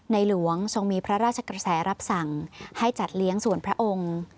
หลวงทรงมีพระราชกระแสรับสั่งให้จัดเลี้ยงส่วนพระองค์